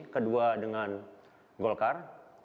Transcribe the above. kedua dengan golkar